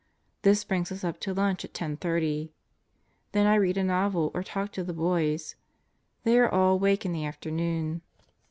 This brings us up to lunch at 10:30. Then I read a novel or talk with the boys. They are all awake in the afternoon.